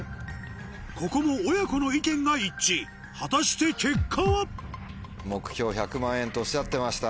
ここも親子の意見が一致果たして結果は？とおっしゃってました。